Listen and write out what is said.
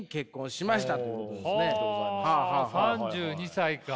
３２歳か。